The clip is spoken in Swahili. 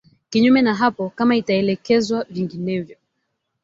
kinyume na hapo kama itaelekezwa vinginevyo